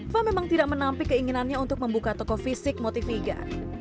fah memang tidak menampik keinginannya untuk membuka toko fisik motiviga